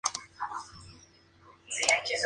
Variedad con litio y hábito típico de las micas.